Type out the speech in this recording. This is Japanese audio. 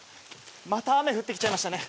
また雨降ってきちゃいましたね。